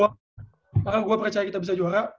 karena gue percaya kita bisa juara